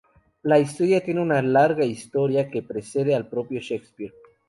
La historia tiene una larga historia que precede al propio Shakespeare.